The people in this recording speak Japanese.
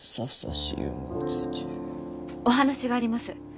お話があります。